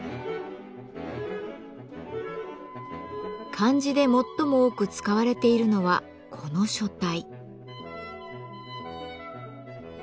漢字で最も多く使われているのはこの書体。